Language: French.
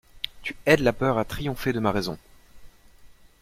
Tu aides la peur à triompher de ma raison!